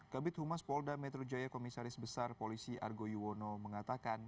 kabit humas polda metro jaya komisaris besar polisi argo yuwono mengatakan